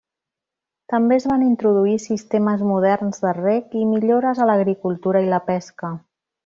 També es van introduir sistemes moderns de reg i millores a l'agricultura i la pesca.